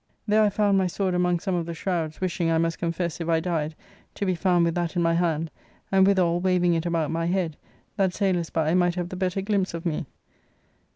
There I found my sword among some of the shrouds, wishing, I must con fess, if I died, to be found with that in my hand, and withal waving it about my head, that sailers by might have the better glimpse of me.